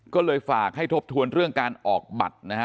ก็เลยฝากให้ทบทวนเรื่องการออกบัตรนะฮะ